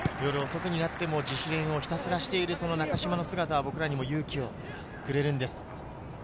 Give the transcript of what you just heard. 夜遅くになっても自主練をひたすらしている中島の姿は僕らにも勇気をくれるんです。